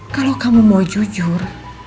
kalau kamu mau jujur